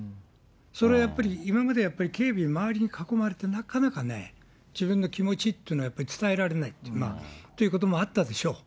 それはやっぱり、今までやっぱり、警備に、周りに囲まれた中でね、自分の気持ちというのを伝えられないということもあったでしょう。